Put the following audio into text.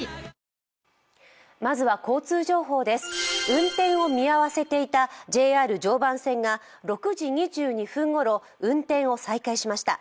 運転を見合わせていたＪＲ常磐線が６時２２分ごろ、運転を再開しました。